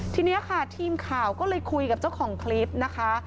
ทีนี้ค่ะทีมข่าวก็เลยคุยกับเจ้าของคลิปนะคะ